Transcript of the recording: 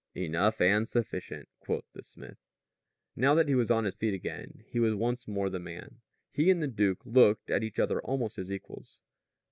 "Enough and sufficient," quoth the smith. Now that he was on his feet again he was once more the man. He and the duke looked at each other almost as equals.